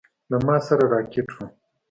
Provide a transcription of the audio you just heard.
له ما سره راکټ و.